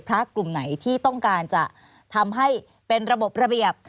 กลุ่มไหนที่ต้องการจะทำให้เป็นระบบระเบียบ